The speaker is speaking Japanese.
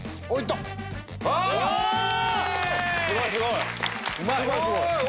すごいすごい！